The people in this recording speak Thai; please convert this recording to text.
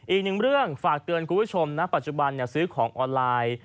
อีกหนึ่งเรื่องฝากเตือนคุณผู้ชมนะปัจจุบันซื้อของออนไลน์